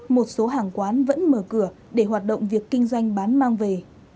một số hàng quán vẫn mở cửa để hoạt động việc kinh doanh bán mang về